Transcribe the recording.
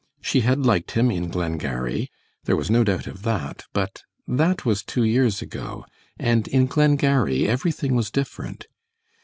She had liked him in Glengarry. There was no doubt of that, but that was two years ago, and in Glengarry everything was different!